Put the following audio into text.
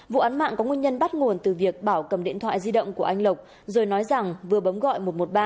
vụ án mạng có nguyên nhân bắt nguồn từ việc bảo cầm điện thoại di động của anh lộc rồi nói rằng vừa bấm gọi một trăm một mươi ba